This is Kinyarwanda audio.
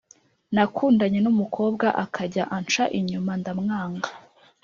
Nakundanye ni umukobwa akajya anca inyuma ndamwanga